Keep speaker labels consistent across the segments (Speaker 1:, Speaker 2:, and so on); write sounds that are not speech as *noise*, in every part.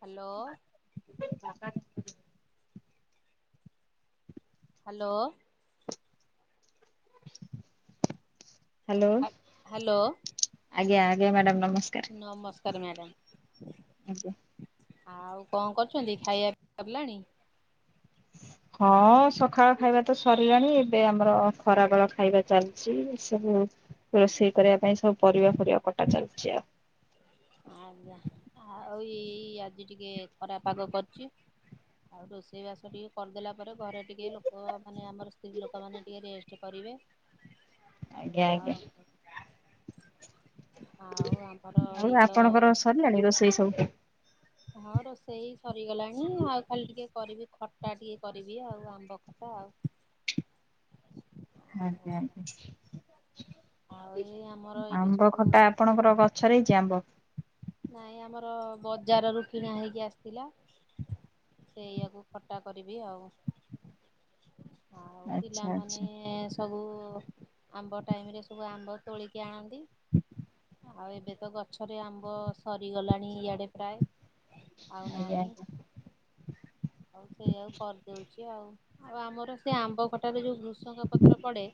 Speaker 1: Hello.
Speaker 2: *unintelligible*
Speaker 1: Hello.
Speaker 2: Hello
Speaker 1: hello
Speaker 2: ଆଜ୍ଞା ଆଜ୍ଞା madam ନମସ୍କାର।
Speaker 1: ନମସ୍କାର ମ୍ୟାଡମ୍।
Speaker 2: ଆଜ୍ଞା।
Speaker 1: ଆଉ କଣ କରୁଛନ୍ତି? ଖାଇବା ପିଇବା ସରିଲାଣି? *inaudible*
Speaker 2: ହଁ ସକାଳ ଖାଇବା ତ ସରିଲାଣି, ଏବେ ଆମର ଖରାବେଳ ଖାଇବା ଚାଲିଛି ସବୁ। ରୋଷେଇ କରିବା ପାଇଁ ସବୁ ପରିବା ପରିବା କଟା ଚାଲଛି ଆଉ।
Speaker 1: ଆଜ୍ଞା, ଆଉ ଏଇ ଆଜି ଟିକେ ଖରା ପାଗ କରିଛି। ଆଉ ରୋଷେଇ ବାସ ଟିକେ କରିଦେଲା ପରେ ଘରେ ଟିକେ ଲୋକ ମାନେ ଆମର ସ୍ତ୍ରୀ ଲୋକମାନେ ଟିକେ ରେଷ୍ଟ କରିବେ। *unintelligible*
Speaker 2: ଆଜ୍ଞା ଆଜ୍ଞା।
Speaker 1: ଆଉ ଆଉ ଆମର
Speaker 2: ଆଉ
Speaker 1: ଏଇ ତ
Speaker 2: ଆପଣଙ୍କର ସରିଲାଣି ରୋଷେଇ ସବୁ?
Speaker 1: ହଁ ରୋଷେଇ ସରିଗଲାଣି ଆଉ ଖାଲି ଟିକେ କରିବି ଖଟା ଟିକେ, କରିବି ଆଉ ଆମ୍ବ ଖଟା ଆଉ। ଆଉ
Speaker 2: ଆଜ୍ଞା
Speaker 1: ଆଉ ଏଇ ଆମର
Speaker 2: ଆଜ୍ଞା
Speaker 1: ଏଇଠି
Speaker 2: ଆମ୍ବ
Speaker 1: ସବୁ
Speaker 2: ଖଟା ଆପଣଙ୍କର ଗ ଛରେ ହେଇଛିି ଆମ୍ବ।
Speaker 1: ନାଇଁ ଆମର ବଜାର ରୁ କିଣା ହେଇକି ଆସିଥିଲା। ସେଇଆକୁ ଖଟା କରିବି ଆଉ। ଆଉ
Speaker 2: ଆଚ୍ଛା
Speaker 1: ପିଲାମାନେ
Speaker 2: ଆଚ୍ଛା
Speaker 1: ସବୁ ଆମ୍ବ ଟାଇମରେ ସବୁ ଆମ୍ବ ତୋଳିକି ଆଣନ୍ତି। ଆଉ ଏବେ ତ ଗଛରେ ଆମ୍ବ ସରିଗଲାଣି ଇଆଡ଼େ ପ୍ରାୟ ଆଉ
Speaker 2: ଆଜ୍ଞା
Speaker 1: ନାହିଁ।
Speaker 2: ଆଜ୍ଞା।
Speaker 1: ଆଉ ସେଇଆଉ କରିଦଉଛି ଆଉ, ଆଉ ଆମର ସେ ଆମ୍ବ ଖଟାରେ ଯୋଉ ବ୍ରୁ ଭୂସଙ୍ଗ ପତ୍ର ପଡ଼େ।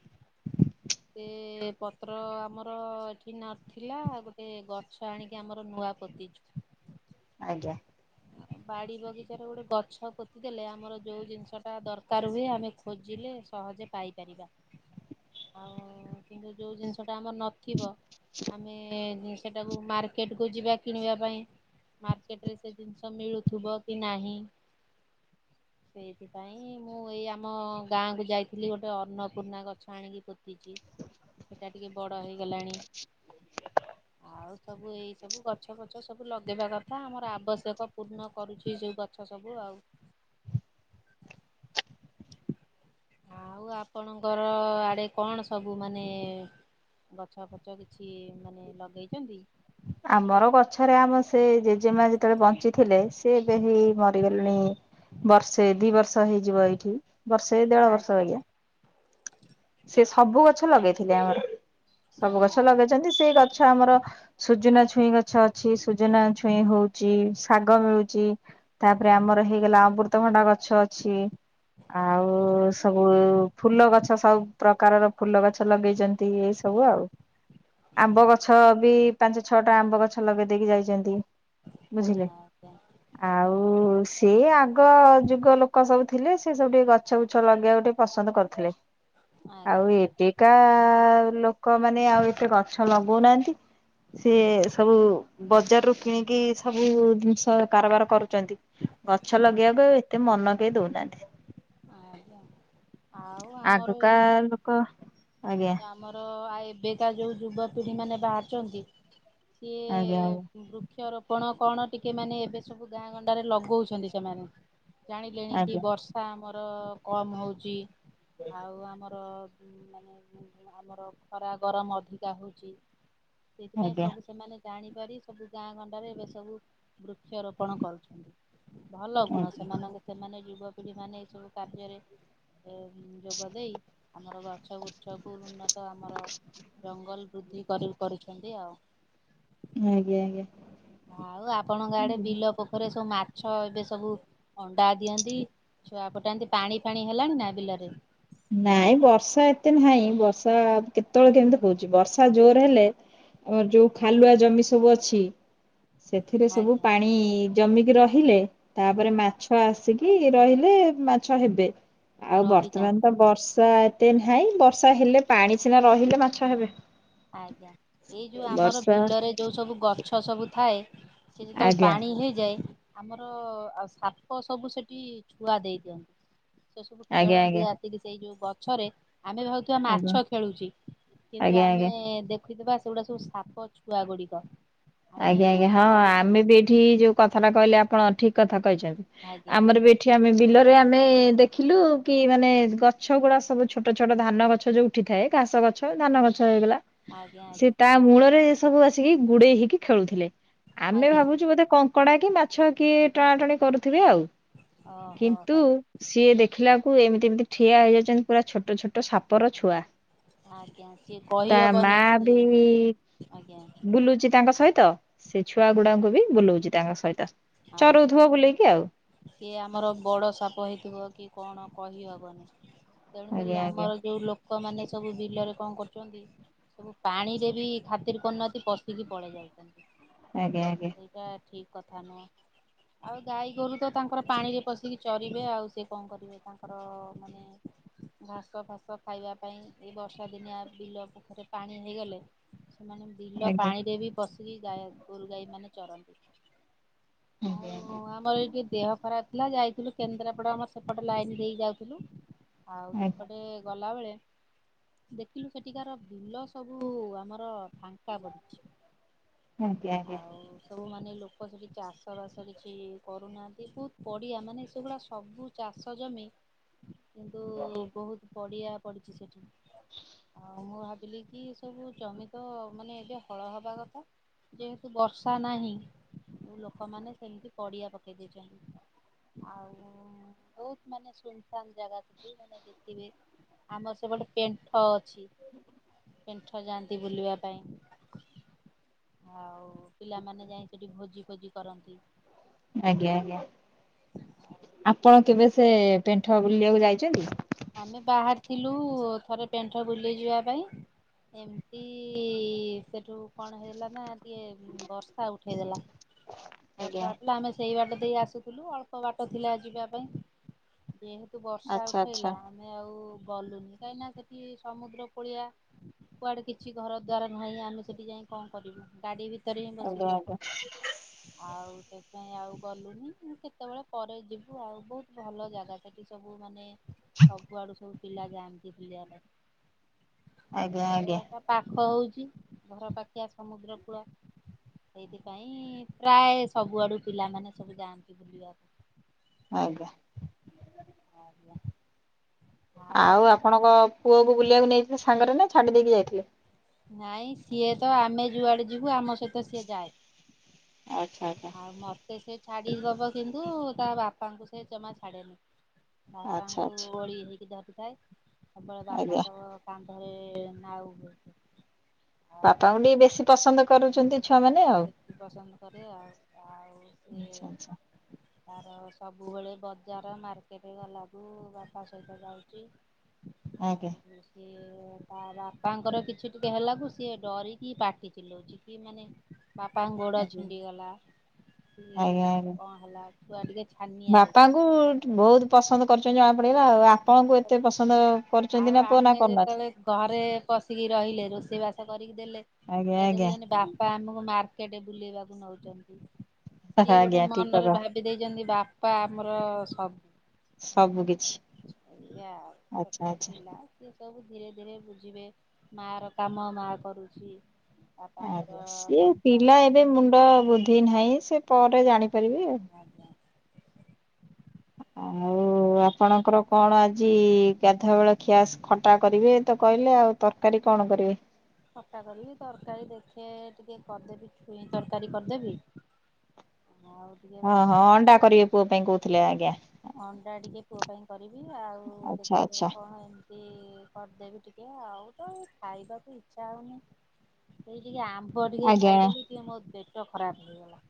Speaker 1: ପତ୍ର ଆମର ଏଠି ନଥିଲା, ଗୋଟେ ଗଛ ଆଣିକି ଆମର। ନୂଆ ପୋତିଚୁ।
Speaker 2: ଆଜ୍ଞା।
Speaker 1: *inaudible* ବାଡ଼ି ବଗିଚାରେ ଗୋଟେ ଗଛ ପୋତି ଦେଲେ ଆମର ଯେଉଁ ଜିନିଷଟା ଦରକାର ହୁଏ, ଆମେ ଖୋଜିଲେ ସହଜେ ପାଇପାରିବା ଆଉ କିନ୍ତୁ ଯୋଉ ଜିନିଷ ସେଟା ଆମର ନଥିବ, ଆମେ ସେଟାକୁ ମାର୍କେଟକୁ ଯିବା କିଣିବା ପାଇଁ। ମାର୍କେଟ ରେ ସେ ଜିନିଷ ମିଳୁଥିବ କି ନାହିଁ ସେଇଥିପାଇଁ ମୁଁ ଏଇ ଆମ ଗାଁକୁ ଯାଇଥିଲି ଗୋଟେ ଅନ୍ନପୂର୍ଣ୍ଣା ଗଛ ଆଣିକି ପୋତିଛି। ସେଟା ଟିକେ ବଡ ହେଇଗଲାଣି, ଆଉ ସବୁ ଏଇ ସବୁ। ଗଛ ଫଛ ସବୁ ଲଗେଇବା କଥା, ଆମର ଆବଶ୍ୟକ ପୂର୍ଣ୍ଣ କରୁଛି ସବୁ ଗଛ ସବୁ ଆଉ *inaudible* ଆଉ ଆପଣଙ୍କର ଆଡେ କଣ ସବୁ ମାନେ ଗଛ ଫଛ କିଛି ମାନେ ଲଗେଇଛନ୍ତି?
Speaker 2: ଆମର ଗଛରେ ଆମ ସେ ଜେଜେମା ଯେତେବେଳେ ବଞ୍ଚିଥିଲେ, ସେ ଏବେ ହିଁ ମରିଗଲେଣି। ବର୍ଷେ ଦି ବର୍ଷ ହେଇଯିବ ଏଇଠି, ବର୍ଷେ ଦେଢ ବର୍ଷ ବାଗିଆ। ସେ ସବୁ ଗଛ ଲଗେଇଥିଲେ ଆମର, ସବୁ ଗଛ
Speaker 1: ଆଜ୍ଞା।
Speaker 2: ଲଗେଇଛନ୍ତି। ସେଇ ଗଛ ଆମର ସୁଜନା ଛୁଇଁ ଗଛ ଅଛି ସୁଜନା ଛୁଇଁ ହଉଛି ଇ ଶାଗ ମିଳୁଛି, ତାପରେ ଆମର ହେଇଗଲା ଅମୃତଭଣ୍ଡା ଗଛ। ଗଛ ଅଛି ଆଉ ସବୁ ଫୁଲ ଗଛ ସବୁ ପ୍ରକାରର ଫୁଲ ଗଛ। ଗଛ ଲଗେଇଛନ୍ତି ଏଇ ସବୁ ଆଉ,
Speaker 1: ହଁ
Speaker 2: ଆମ୍ବ ଗଛ ବି ପାଞ୍ଚ ଛଅଟା ଆମ୍ବ ଗଛ ଲଗେଇ ଦେଇକି ଯାଇଛନ୍ତି, ବୁଝିଲେ?
Speaker 1: ଆଜ୍ଞା
Speaker 2: ଆଉ ସିଏ ଆଗ ଯୁଗ ଲୋକ ସବୁ ଥିଲେ, ସେ ସବୁ ଟିକେ ଗଛ ବୁଛ ଲଗେଇବା ଗୋଟେ ପସନ୍ଦ କରୁଥିଲେ। ଆଉ
Speaker 1: ଆଜ୍ଞା
Speaker 2: ଏବେକା ଲୋକମାନେ ଆଉ ଏତେ ଗଛ ଲଗଉନାହାନ୍ତି। ସିଏ ସବୁ ବଜାରରୁୁ କିଣିକି ସବୁ ଜିନିଷ କାରବାର କରୁ ଚନ୍ତି, ଗଛ
Speaker 1: ଆଜ୍ଞା
Speaker 2: ଲଗେଇବାକୁ ଆ ଏତେ ମନ କେହି ଦଉନାହାନ୍ତି।
Speaker 1: ଆଜ୍ଞା, ଆଉ ଆମର
Speaker 2: ଆଗକା ଲୋକ ଆଜ୍ଞା
Speaker 1: ଏଇ ଆମର ଆଏ ଏବେକା ଯୋଉ ଯୁବପିଢି ମାନେ ବାହାରିଚନ୍ତି ସିଏ
Speaker 2: ଆଜ୍ଞା
Speaker 1: ଉଁ ବୃ କ୍ଷରୋପଣ କଣ ଟିକେ ମାନେ ଏବେ ସବୁ ଗାଁ ଗଣ୍ଡାରେ ଲଗଉଚନ୍ତି ସେମାନେ। ଜାଣିଲେଣି କି
Speaker 2: ଆଜ୍ଞା
Speaker 1: ବର୍ଷ ଷା ଆମର କମ ହଉଚି ଆଉ ଆମର ଉଁ ମାନେ ଆମର ଖରା ଗରମ ଅଧିକା ହଉଚି
Speaker 2: ଆଜ୍ଞା
Speaker 1: ସେଥିପାଇଁ
Speaker 2: ଆଜ୍ଞା
Speaker 1: ସବୁ ସେମାନେ ଜାଣିପାରି ସବୁ ଗାଁ ଗଣ୍ଡାରେ ଏବେ ସବୁ ବୃକ୍ଷରୋପଣ କରୁଛନ୍ତି। ଭଲ ଗୁଣ ସେମାନେ ସେମାନେ ଯୁବପିଢି ମାନେ ଏଇ ସବୁ କାର୍ଯ୍ୟରେ ଏ ଉଁ ଯୋଗ ଦେଇେ ଆମର ଗଛ ଗୁଚ୍ଛକୁ ଉନ୍ନତ ଆମର ଜଙ୍ଗଲ ବୃଦ୍ଧି କରି-କରୁଛନ୍ତି ଆଉ।
Speaker 2: ଆଜ୍ଞା ଆଜ୍ଞା।
Speaker 1: ଆଉ ଆପଣଙ୍କ ଆଡେ ବିଲ ପୋଖରେ ସବୁ ମା ଛ ଏବେ ସବୁ ଅଣ୍ଡା ଦିଅନ୍ତି ଛୁଆ ଫୁଟାନ୍ତି ପାଣି ଫାଣି ହେଲାଣି ନା ବିଲରେ?
Speaker 2: ନାଇଁ ବର୍ଷା ଏତେ ନାହିଁ ବର୍ଷା କେତେବେଳେ କେମତି ହଉଛି ବର୍ଷା ଜୋର ହେଲେ ଅଁ ଯୋଉ ଖାଲୁଆ ଜମି ସବୁ ଅଛି ସେଥିରେ ସବୁ
Speaker 1: ଆଜ୍ଞା
Speaker 2: ପାଣି ଜମିକି ରହିଲେ ତାପରେ ମାଛ ଆସିକି ରହିଲେ ମାଛ ହେବେ। ଆଉ ବର୍ତ୍ତମାନ
Speaker 1: ରହିଯାଆନ୍ତି
Speaker 2: ତ ବର୍ଷା ଏତେ ନାହିଁ ବର୍ଷା ହେଲେ ପାଣି ସିନା ରହିଲେ ମାଛ ହେବେ।
Speaker 1: ଆଜ୍ଞା ଏଇ ଯୋଉ ଆମର
Speaker 2: ବର୍ଷା
Speaker 1: ବିଲରେ ଯୋଉ ସବୁ ଗଛ ସବୁ ଥାଏ। ସେ ଯେତେବେଳେ
Speaker 2: ଆଜ୍ଞା
Speaker 1: ପାଣି ହେଇଯାଏ। ଆମର ଆଉ ସାପ ସବୁ ସେଟି ଛୁଆ ଦେଇ ଦିଅନ୍ତି ସେ ସବୁ
Speaker 2: ଆଜ୍ଞା ଆଜ୍ଞା
Speaker 1: ଖେଳନ୍ତି ଆ କିନ୍ତୁ ସେଇ ଯୋଉ ଗଛରେ ଆମେ ଭାବୁଥିବା
Speaker 2: ଆଜ୍ଞା
Speaker 1: ମାଛ ଖେଳୁଛି କିନ୍ତୁ ଆ
Speaker 2: ଆଜ୍ଞା ଆଜ୍ଞା।
Speaker 1: ମେ ଦେଖୁଥିବା ସେଗୁଡା ସବୁ ସାପ ଛୁଆ ଗୁଡିକ। ଆମେ
Speaker 2: ଆଜ୍ଞା ଆଜ୍ଞା ହଁ
Speaker 1: ଆଜ୍ଞା
Speaker 2: ଆମେ ବି ଏଇଠି ଯୋଉ କଥାଟା କହିଲେ ଆପଣ ଠିକ୍ କଥା କହିଛନ୍ତି
Speaker 1: ଆଜ୍ଞା
Speaker 2: ଆମର ବି ଏଠି ଆମେ ବିଲରେ ଆମେ ଦେଖିଲୁ କି ମାନେ ଗଛ ଗୁଡା ସବୁ ଛୋଟ ଛୋଟ ଧାନ ଗଛ ଯୋଉ ଉଠି ଥାଏ କାସ ଗଛ ଧାନ ଗଛ ହେଇଗଲା।
Speaker 1: ଆଜ୍ଞା
Speaker 2: ସେ
Speaker 1: ଆଜ୍ଞା
Speaker 2: ତା ମୂଳରେ ସବୁ ଆସିକି ଗୁଡେଇ ହେଇକି ଖେଳୁଥିଲେ ଆମେ
Speaker 1: ଆଜ୍ଞା
Speaker 2: ଭାବୁଛୁ ବୋଧେ କ ଙ୍କଡା କି ମାଛ କିଏ ଟଣା ଟଣି କରୁଥିବେ ଆଉ
Speaker 1: ଓହୋ
Speaker 2: କିନ୍ତୁ
Speaker 1: ହୋ
Speaker 2: ସିଏ ଦେଖିଲାକୁ ଏମିତି ଏମିତି ଠିଆ ହେଇଯାଉଚନ୍ତି ପୁରା ଛୋଟ ଛୋଟ ସାପର ଛୁଆ।
Speaker 1: ଆଜ୍ଞା ସିଏ
Speaker 2: ତା
Speaker 1: କହିହବନି
Speaker 2: ମାଆ ବି
Speaker 1: ସିଏ ଆଜ୍ଞା
Speaker 2: ବୁଲୁଚି ତାଙ୍କ ସହି ତ ସେ ଛୁଆ ଗୁଡାଙ୍କୁ ବି ବୁଲଉଚି ତାଙ୍କ ସହିତ।
Speaker 1: ଆ
Speaker 2: ଚରଉଥିବ
Speaker 1: ହଁ।
Speaker 2: ବୁଲେଇକି ଆଉ
Speaker 1: ଇଏ ଆମର ବଡ଼ ସାପ ହେଇଥିବ କି କଣ କହି ହବନି। ତେଣୁ କରି
Speaker 2: ଆଜ୍ଞା ଆଜ୍ଞା
Speaker 1: ଆମର ଯୋଉ ଲୋକମାନେ ସବୁ ବିଲରେ କଣ କରୁଚନ୍ତି ସବୁ ପାଣିରେ ବି ଖାତିର୍ କରୁନାହାନ୍ତି ପସିକି ପଳେଇ ଯାଉଚନ୍ତି।
Speaker 2: ଆଜ୍ଞା ଆଜ୍ଞା।
Speaker 1: ସେଇଟା ଠିକ୍ କଥା ନୁହେଁ। ଆଉ ଗାଈ ଗୋରୁ ତ ତାଙ୍କର ପାଣିରେ ପସିକି ଚରିବେ ଆଉ ସେ କଣ କରିବେ ତାଙ୍କର ମାନେ ଏଁ ଘାସ ଫାସ ଖାଇବା ପାଇଁ। ଏଇ ବର୍ଷା ଦିନିଆ ବିଲ ପୋଖରୀ ରେ ପାଣି ହେଇଗଲେ ସେମାନେ ବିଲ
Speaker 2: ଆଜ୍ଞା।
Speaker 1: ପାଣିରେ ବି ପସିକି ଗାଈ ଗୋରୁ ଗାଈମାନେ ଚରନ୍ତି।
Speaker 2: ଆଜ୍ଞା
Speaker 1: ଆଉ ଆମର ଏଇ ବି ଦେହ ଖରାପ ଥିଲା ଯାଇଥିଲୁ କେନ୍ଦ୍ରାପଡା ଆମର ସେପଟେ ଲାଇନ୍ ଦେଇ ଯାଉଥିଲୁ। ଆଉ
Speaker 2: ଆଜ୍ଞା
Speaker 1: ସେପଟେ ଗଲାବେଳେ ଦେଖିଲୁ ସେଠିକାର ବିଲ ସବୁ ଆମର ଫା ଙ୍କା ପଡିଚି
Speaker 2: ଆଜ୍ଞା ଆଜ୍ଞା
Speaker 1: ଆଉ ସବୁ ମାନେ ଲୋକ ସେଠି ଚାଷ୍ ଷ ବାସ କିଛି କରୁନାହାନ୍ତି ବହୁତ ବଢିଆ ମାନେ ସେଗୁଡା ସବୁ ଚାଷ ଜମି। କିନ୍ତୁ ବହୁତ ପଡିଆ ପଡିଚି ସେଠି। ଆଉ ମୁଁ ଭାବିଲି କି ସବୁ ଜମି ତ ମାନେ ଏବେ ହଳ ହବା କଥା। ଯେହେତୁ ବର୍ଷା ନାହିଁ। ଲୋକମାନେ ସେମିତି ପଡ଼ିଆ ପକେଇ ଦେଇଛନ୍ତି ଆଉ ହୁଁ ବହୁତ ମାନେ ସୁନସାନ୍ ଜାଗା ସେଠି ମାନେ ଦେଖିବେ ଆମର ସେପଟେ ପେଣ୍ଠ ଅ ଛି ପେଣ୍ଠ ଯାଆନ୍ତି ବୁଲିବା ପାଇଁ ଆଉ ପିଲାମାନେ ଯାଇ ସେଠି ଭୋଜି ଭୋଜି କରନ୍ତି।
Speaker 2: ଆଜ୍ଞା ଆଜ୍ଞା। ଆପଣ କେବେ ସେ ପେଣ୍ଠ ବୁଲିବାକୁ ଯାଇଛନ୍ତି?
Speaker 1: ଆମେ ବାହାର ଥିଲୁ ଥରେ ପେଣ୍ଟ ବୁଲେଇ ଯିବା ପାଇଁ। ଏମିତି ସେଠୁ କଣ ହେଇଗଲା ନା ଟିକେ ବର୍ଷା ଉଠେଇଦେଲା। ପଛ
Speaker 2: ଆଜ୍ଞା
Speaker 1: ହଉଥିଲା ଆମେ ସେଇ ବାଟ ଦେଇ ଆସୁଥିଲୁ ଅଳ୍ପ ବାଟ ଥିଲା ଯିବା ପାଇଁ। ଯେହେତୁ ବର୍ଷା
Speaker 2: ଆଚ୍ଛା ଆଚ୍ଛା
Speaker 1: ଉଠେଇଲା ଆମେ ଆଉ ଗଲୁନି କାହିଁକିନା ସେଠି ସମୁଦ୍ର ପଡିଆ କୁଆଡେ କିଛି ଘର ଦ୍ୱାର ନାହିଁ ଆମେ ସେଠି ଯାଇ କଣ କରିବୁ ଗାଡି ବି ତରକାରୀ ହିଁ
Speaker 2: ଆଜ୍ଞା
Speaker 1: ବସିଥିଲା।
Speaker 2: ଆଜ୍ଞା।
Speaker 1: ଆଉ ସେଥିପାଇଁ ଆଉ ଗଲୁନି କେତେବେଳେ ପରେ ଯିବୁ ଆଉ ବହୁତ ଭଲ ଜାଗା। ସେଠି ସବୁ ମାନେ ସବୁଆଡୁ ସବୁ ପିଲା ଯାଆନ୍ତି ବୁଲିବା ପାଇଁ
Speaker 2: ଆଜ୍ଞା ଆଜ୍ଞା
Speaker 1: ଅନଳ ଟା ପାଖ ହଉଛି ଘର ପାଖିଆ ସମୁଦ୍ର କୂଳ। ସେଇଥିପାଇଁ ପ୍ରାୟ ସବୁଆଡୁ ପିଲାମାନେ ସବୁ ଯାଆନ୍ତି ବୁଲିବାକୁ।
Speaker 2: ଆଜ୍ଞା।
Speaker 1: ଆଜ୍ଞା।
Speaker 2: ଆଉ ଆପଣଙ୍କ ପୁଅକୁ ବୁଲିବାକୁ ନେଇଥିଲେ ସାଙ୍ଗରେ ନା ଛାଡି ଦେଇକି ଯାଇଥିଲେ?
Speaker 1: ନାଇଁ ସିଏ ତ ଆମେ ଯୁଆଡ଼େ ଯିବୁ ଆମ ସହିତ ସିଏ ଯାଏ।
Speaker 2: ଆଛା ଆଛା।
Speaker 1: ଆଉ ମତେ ସେ ଛାଡିଦବ କିନ୍ତୁ ତା ବାପାଙ୍କୁ ସେ ଜମା ଛାଡେନି। ବାପା
Speaker 2: ଆଚ୍ଛା
Speaker 1: ଙ୍କୁ
Speaker 2: ଆଚ୍ଛା
Speaker 1: ଓଳି ହେଇକି ଧରିଥାଏ ସବୁବେଳେ
Speaker 2: ଆଜ୍ଞା
Speaker 1: ବାପାଙ୍କ କନ୍ଧ ରେ ନାଉ ହୁଏ। ଆଉ
Speaker 2: ବାପାଙ୍କୁ ଟିକ ବେଶୀ ପସନ୍ଦ କରୁଛନ୍ତି। ଛୁଆମାନେ ଆଉ।
Speaker 1: ଦେଖି ପସନ୍ଦ କରେ ଆଉ ଆଉ ସିଏ
Speaker 2: ଆଚ୍ଛା ଆଚ୍ଛା
Speaker 1: ତାର ସବୁବେଳେ ବଜାର ମାର୍କେଟ ଗଲାକୁ ବାପା ସହିତ ଯାଉଛି। ଆଉ
Speaker 2: ଆଜ୍ଞା
Speaker 1: କିଛି ସ ତା ବାପାଙ୍କର କିଛି ଟିକେ ହେଲାକୁ ସିଏ ଡରିକି ପାଟି ଚି ଲଉଛି କି ମାନେ ବାପା ଙ୍କ ଗୋଡ
Speaker 2: ଆଜ୍ଞା
Speaker 1: ଛିଣ୍ଡିଗଲା।
Speaker 2: ଆଜ୍ଞା
Speaker 1: ଟିକେ
Speaker 2: ଆଜ୍ଞା
Speaker 1: କଣ ହେଲା ଛୁଆ ଟିକେ ଛାନିଆ ହେଇଯ
Speaker 2: ବାପାଙ୍କୁ ବହୁତ ପସନ୍ଦ କରୁଛନ୍ତି ଜଣା ପଡ଼ିଗଲା ଆଉ ଆପଣଙ୍କୁ ଏତେ ପସନ୍ଦ
Speaker 1: ଆଉ
Speaker 2: କରୁଛନ୍ତି ନା ପୁଅ
Speaker 1: ଆମେ
Speaker 2: ନା
Speaker 1: ଯେତେବେଳେ
Speaker 2: କରୁନାହାନ୍ତି?
Speaker 1: ଘରେ ପଶିକି ରହିଲେ ରୋଷେଇ ବାସ କରିକି ଦେଲେ
Speaker 2: ଆଜ୍ଞା
Speaker 1: ସେ
Speaker 2: ଆଜ୍ଞା
Speaker 1: ଦେଖୁଛନ୍ତି ବା ବା ଆମକୁ ମାର୍କେଟରେ ବୁଲେଇବାକୁ ନଉଛନ୍ତି। ସିଏ
Speaker 2: ଆଜ୍ଞା
Speaker 1: ଗୋଟେ
Speaker 2: ଠିକ
Speaker 1: ମନରେ
Speaker 2: କଥା
Speaker 1: ଭାବ କିଏ ଦେଇଛନ୍ତି ବାପା ଆମର ସବୁ
Speaker 2: ସବୁ କିିଛି।
Speaker 1: ହେଲା ଆଉ ଛୋଟ ପିଲା। ସେ ସବୁ ଧୀରେ ଧୀରେ ବୁଝିବେ ମା ର କାମ ମା କରୁଛି।
Speaker 2: ଆଜ୍ଞା
Speaker 1: ବାପାଙ୍କର
Speaker 2: ସିଏ
Speaker 1: କାମ
Speaker 2: ପିଲା
Speaker 1: ବାପା
Speaker 2: ଏବେ ମୁଣ୍ଡ ବୁଦ୍ଧି ନାହିଁ ସେ ପରେ ଜାଣିପାରିବେ ଆଉ।
Speaker 1: ଆଜ୍ଞା।
Speaker 2: ଆଉ ଆପଣଙ୍କର କଣ ଆଜି ଗାଧୁଆ ବେଳ ଖିଆସ ଖଟା କରିବେ ତ କହିଲେ ଆଉ ତରକାରୀ କଣ କରିବେ?
Speaker 1: ଖଟା କରିବି ତରକାରୀ ଦେଖେ ଟିକେ କରିଦେବି ଛୁଇଁ ତରକାରୀ କରିଦେବି। ଆଉ ଟିକେ
Speaker 2: ହଁ
Speaker 1: ଭାବ
Speaker 2: ହଁ ଅଣ୍ଡା କରିବେ ପୁଅ ପାଇଁ କହୁଥିଲେ ଆଜ୍ଞା।
Speaker 1: ଅଣ୍ଡା ଟିକେ ପୁଅ ପାଇଁ କରିବି ଆଉ
Speaker 2: ଆଚ୍ଛା
Speaker 1: ଦେଖ
Speaker 2: ଆଚ୍ଛା
Speaker 1: କଣ ଏମ୍ ତି କରିଦେବି ଟିକେ ଆଉ ତ ଖାଇବାକୁ ଇଚ୍ଛା ହୋଉନି। ସେଇ ଟିକେ ଆମ୍ବ ଟିକେ
Speaker 2: ଆଜ୍ଞା
Speaker 1: ଖାଇଦେଲି ଟିକେ ମୋ ପେଟ ଖରାପ ହେଇଗଲା।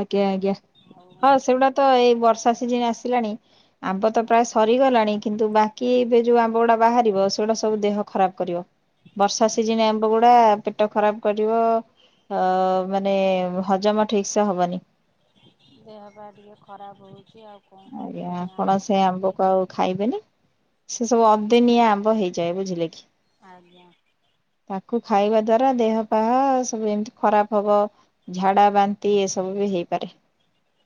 Speaker 2: ଆଜ୍ଞା ଆଜ୍ଞା ହଁ
Speaker 1: ଆଉ
Speaker 2: ସେଗୁଡା ତ ଏଇ ବର୍ଷା ସିଜିନ୍ ଆସିଲାଣି ଆମ୍ବ ତ ପ୍ରାୟ ସରିଗଲାଣି କିନ୍ତୁ ବାକି ଏବେ ଯୋଉ ଆମ୍ବ ଗୁଡା ବାହାରିବ ସେଗୁଡା ସବୁ ଦେହ ଖରାପ କରିବ ବର୍ଷା ସିଜିନ୍‌ ଆମ୍ୱ ଗୋ ପୁରା ପେଟ ଖରାପ କରିବ ଅ ମାନେ ହଜମ ଠିକ୍ ସେ ହବନି।
Speaker 1: ଦେହ ପା ଟିକେ ଖରାପ ହଉଚି ଆଉ କଣ କରିବି
Speaker 2: ଆଜ୍ଞା
Speaker 1: ସେ
Speaker 2: ଆପଣ
Speaker 1: ଆମ୍ୱ
Speaker 2: ସେ
Speaker 1: ଖାଇକି
Speaker 2: ଆମ୍ବକୁ ଆଉ ଖାଇବେନି ସେ ସବୁ ଅଦିନିଆ ଆମ୍ବ ହେଇଯାଏ ବୁଝିଲେ କି।
Speaker 1: ଆଜ୍ଞା।
Speaker 2: ତାକୁ ଖାଇବା ଦ୍ଵାରା ଦେହ ପାହା ସବୁ ଏମିତି ଖରାପ ହବ। ଝାଡା ବାନ୍ତି ଏସବୁ ବି ହେଇପାରେ।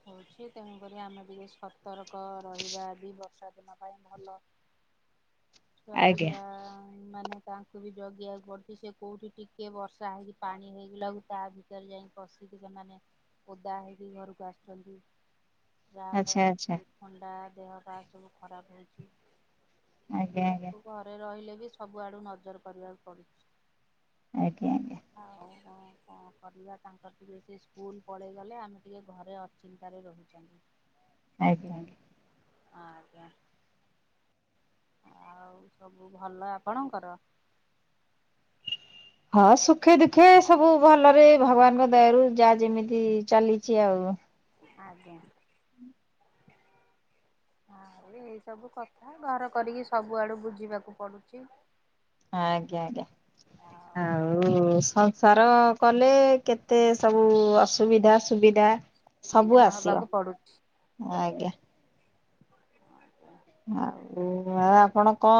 Speaker 1: ହଉଚି। ତେଣୁକରି ଆମେ ଟିକେ ସତର୍କ ରହିବା ବି ବର୍ଷା ଦିନ ପାଇଁ ଭଲ।
Speaker 2: ଆଜ୍ଞା।
Speaker 1: ଛୁଆପିଲା ମାନେ ତାଙ୍କୁ ବି ଜଗିବାକୁ ପଡୁଚି। ସେ କୋଉଠି ଟିକେ ବର୍ଷା ହେଇକି ପାଣି ହେଇଗଲା ବେଳ କୁ ତା ବି କାଲି ଯାଇକି ପଶିକି ସେମାନେ ଓଦା ହେଇକି ଘରକୁ ଆସୁଛନ୍ତି।
Speaker 2: ଆଚ୍ଛା
Speaker 1: ଯାହାଫଳରେ
Speaker 2: ଆଚ୍ଛା
Speaker 1: କି ଥଣ୍ଡା ଦେହ ପା ସବୁ ଖରାପ ହେଉଚି।
Speaker 2: ଆଜ୍ଞା ଆଜ୍ଞା
Speaker 1: ତାକୁ ଘରେ ରହିଲେ ବି ସବୁଆଡୁ ନଜର କରିବାକୁ ପଡୁଚି।
Speaker 2: ଆଜ୍ଞା ଆଜ୍ଞା।
Speaker 1: ଆଉ କଣ କଣ କରିବା ତାଙ୍କର ଟିକେ ସେ ସ୍କୁଲ ପଳେଇଗଲେ ଆମେ ଟିକେ ଘରେ ଅ ଚିନ୍ତାରେ ରହୁଛନ୍ତି।
Speaker 2: ଆଜ୍ଞା।
Speaker 1: ଆଜ୍ଞା। ଆଉ ସବୁ ଭଲ ଆପଣଙ୍କର?
Speaker 2: ହଁ ସୁଖେ ଦୁଃଖେ ସବୁ ଭଲରେ ଭଗବାନଙ୍କ ଦୟା ରୁ ଯା ଯେମିତି ଚାଲିଚି ଆଉ।
Speaker 1: ଆଜ୍ଞା। ଆଉ ଏଇ ସବୁ କଥା ଘର କରିକି ସବୁଆଡୁ ବୁଝିବାକୁ ପଡୁଚି।
Speaker 2: ଆଜ୍ଞା ଆଜ୍ଞା। ଆଉ ସଂସାର କଲେ କେତେ ସବୁ ଅସୁବିଧା ସୁବିଧା ସବୁ
Speaker 1: ସମ୍ମୁଖୀନ
Speaker 2: ଆସିବ।
Speaker 1: ହବାକୁ
Speaker 2: ଆଜ୍ଞା।
Speaker 1: ଆଜ୍ଞା।
Speaker 2: ଆଉ ଆପଣ କଣ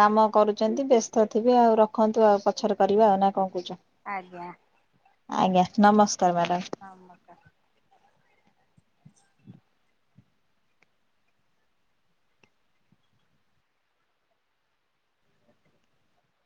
Speaker 2: କାମ କରୁଛନ୍ତି ବ୍ୟସ୍ତ ଥିବେ ଆଉ ରଖନ୍ତୁ ଆଉ। ପ ପଛରେ କରିବା ଆଉ ନା କଣ କହୁଚ?
Speaker 1: ଆଜ୍ଞା।
Speaker 2: ଆଜ୍ଞା ନମସ୍କାର ମ୍ୟାଡ଼ାମ।
Speaker 1: ନମସ୍କାର।